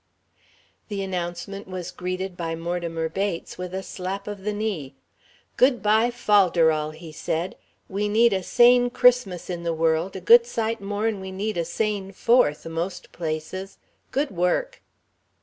The announcement was greeted by Mortimer Bates with a slap of the knee. "Good by, folderol!" he said. "We need a sane Christmas in the world a good sight more'n we need a sane Fourth, most places. Good work."